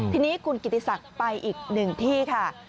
ทีนี้คุณกิติศักดิ์ไปอีกหนึ่งที่ค่ะ